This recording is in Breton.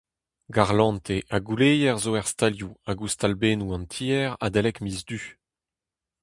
Garlantez ha gouleier zo er stalioù hag ouzh talbennoù an tiez adalek miz Du.